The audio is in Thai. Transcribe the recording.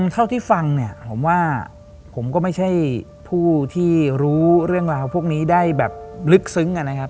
เท่าที่ฟังเนี่ยผมว่าผมก็ไม่ใช่ผู้ที่รู้เรื่องราวพวกนี้ได้แบบลึกซึ้งนะครับ